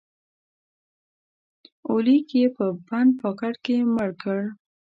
اولیک یې په بند پاکټ کې مړ کړ